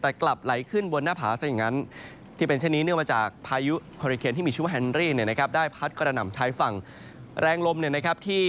ถือแม้ว่าคลิปวิดีโอนั้นกล่าว